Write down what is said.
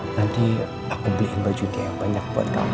nanti aku beliin baju dia yang banyak buat kamu